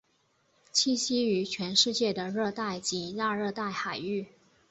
栖息于全世界的热带及亚热带海域。